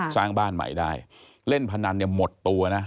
สร้างบ้านใหม่ได้เล่นพนันเนี่ยหมดตัวนะ